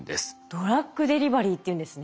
ドラッグデリバリーっていうんですね。